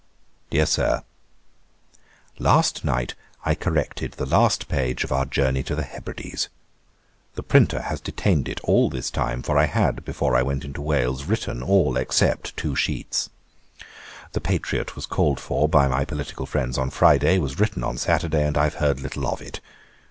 'DEAR SIR, 'Last night I corrected the last page of our Journey to the Hebrides. The printer has detained it all this time, for I had, before I went into Wales, written all except two sheets. The Patriot was called for by my political friends on Friday, was written on Saturday, and I have heard little of it.